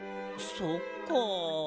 そっか。